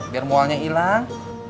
biar mualnya ilang